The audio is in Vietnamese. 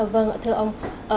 vâng ạ thưa ông